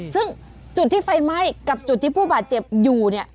ซึ่งจุดที่ไฟไหม้กับจุดที่ผู้บาดเจ็บอยู่เนี่ย